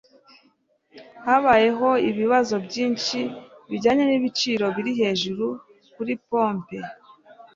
Habayeho ibibazo byinshi bijyanye n'ibiciro biri hejuru kuri pompe.